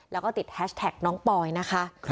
แล้วก็ติดแฮชแท็กน้องปอยนะคะ